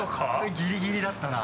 ギリギリだったな。